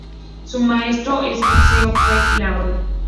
Su maestro en boxeo fue Jeff Langton.